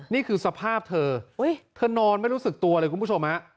นี่คือสภาพเธอเธอนอนไม่รู้สึกตัวเลยคุณผู้ชมฮะ